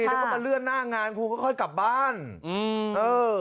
แล้วก็มาเลื่อนหน้างานครูก็ค่อยกลับบ้านอืมเออ